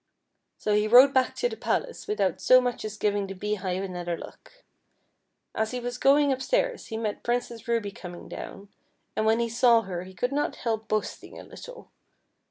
So he rode back to the palace without so much as giving the beehive another look. As he was going upstairs, he met Princess Ruby coming down, and when he saw her he could not help boasting a little.